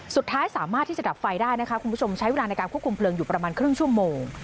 สุดท้ายสามารถที่จะดับไฟได้นะคะคุณผู้ชมใช้เวลาในการควบคุมเพลิงอยู่ประมาณครึ่งชั่วโมง